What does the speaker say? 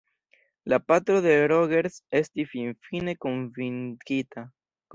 La patro de Rogers estis finfine konvinkita.